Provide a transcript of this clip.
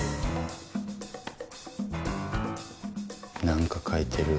何か書いてる。